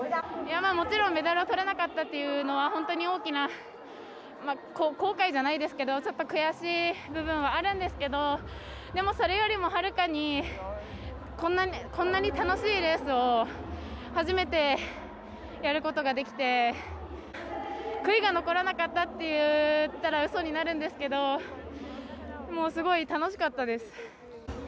もちろんメダルを取れなかったというのは本当に大きな後悔じゃないですけどちょっと悔しい部分はあるんですけれどでも、それよりも、はるかにこんなに楽しいレースを初めて、やることができて悔いが残らなかったと言ったらうそになるんですけどすごい楽しかったです。